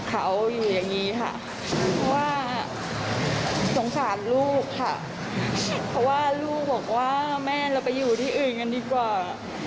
เพราะว่าลูกบอกว่าแม่เราไปอยู่ที่อื่นกันดีกว่า